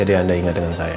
jadi anda ingat dengan saya